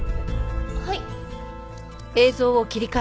はい。